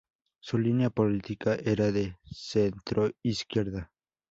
Su línea política era de centroizquierda.